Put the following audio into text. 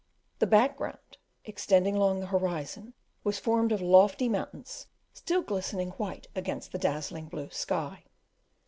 The background, extending along the horizon, was formed of lofty mountains still glistening white against the dazzling blue sky.